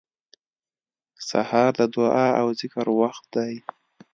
سهار د دعا او ذکر وخت دی.